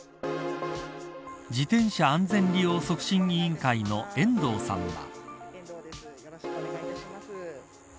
自転車安全利用促進委員会の遠藤さんは。